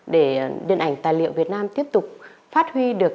để điện ảnh tài liệu việt nam tiếp tục phát huy được